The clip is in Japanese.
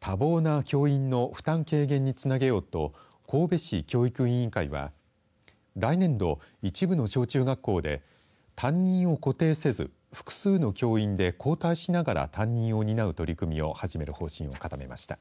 多忙な教員の負担軽減につなげようと神戸市教育委員会は来年度、一部の小中学校で担任を固定せず、複数の教員で交代しながら担任を担う取り組みを始める方針を固めました。